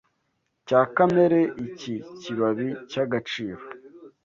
cya Kamere Iki kibabi cyagaciro,